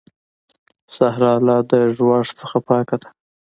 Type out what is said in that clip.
صحرا لا د ږوږ څخه پاکه ده.